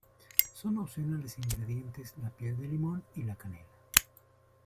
Son opcionales ingredientes la piel de limón y la canela.